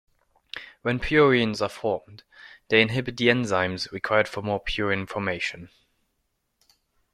When purines are formed, they inhibit the enzymes required for more purine formation.